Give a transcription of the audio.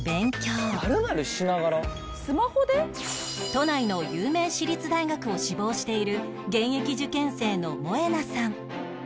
都内の有名私立大学を志望している現役受験生の萌那さん